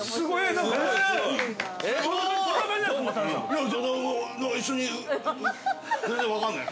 ◆なんか一緒に全然分かんない。